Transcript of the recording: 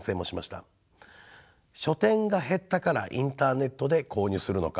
書店が減ったからインターネットで購入するのか。